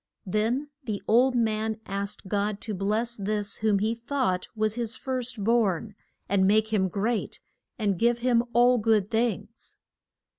Then the old man asked God to bless this whom he thought was his first born, and make him great, and give him all good things.